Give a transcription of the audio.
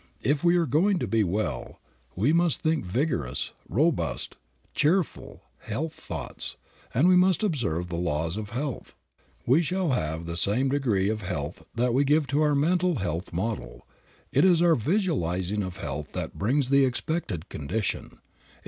If we are going to be well, we must think vigorous, robust, cheerful, health thoughts, and we must observe the laws of health. We shall have the same degree of health that we give to our mental health model. It is our visualizing of health that brings the expected condition.